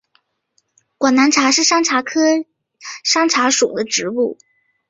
广南茶是山茶科山茶属的植物。